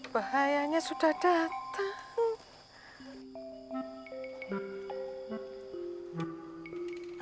bahayanya sudah datang